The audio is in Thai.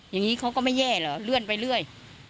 อย่างนี้เขาก็ไม่แย่เหรอเลื่อนไปเรื่อย